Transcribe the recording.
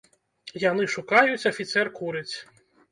Яны шукаюць, афіцэр курыць.